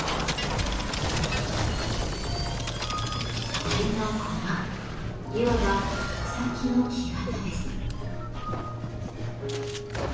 これがいわば穂先の木型です。